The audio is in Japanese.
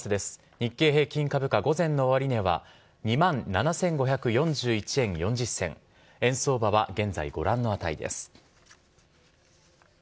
日経平均株価、午前の終値は、２万７５４１円４０銭、円相場は現在ご覧の値です。